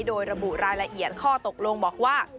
โดยระบุรายละเอียดข้อตกลงบอกว่า